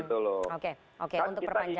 oke untuk perpanjangan